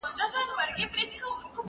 هغه وويل چي پاکوالی مهم دی،